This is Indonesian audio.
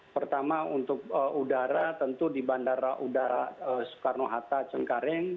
pertama untuk udara tentu di bandara udara soekarno hatta cengkareng